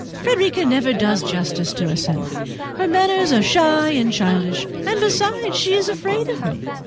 "Frederica never does justice to herself; her manners are shy and childish, and besides she is afraid of me.